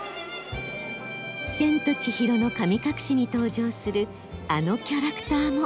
「千と千尋の神隠し」に登場するあのキャラクターも。